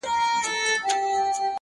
• سهار به څرنګه بې واکه اونازک لاسونه -